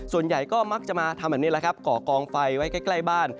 ส่วนใหญ่ก็มักจะมาทำแบบนี้แหละครับก่อกองไฟไว้ใกล้บ้าน